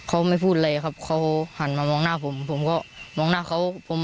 เขาไม่พูดอะไรครับเขาหันมามองหน้าผมผมก็มองหน้าเขาผม